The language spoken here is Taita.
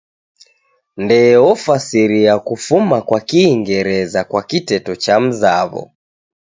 Ndee ofasiria kufuma kwa kingereza kwa kiteto chamzaw'o.